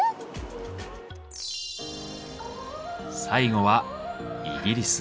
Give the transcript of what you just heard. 最後はイギリス。